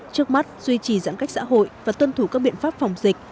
trước mắt duy trì giãn cách xã hội và tuân thủ các biện pháp phòng dịch